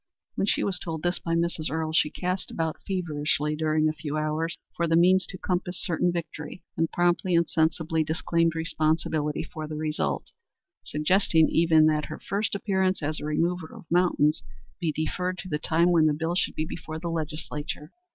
When she was told this by Mrs. Earle, she cast about feverishly during a few hours for the means to compass certain victory, then promptly and sensibly disclaimed responsibility for the result, suggesting even that her first appearance as a remover of mountains be deferred to the time when the bill should be before the Legislature.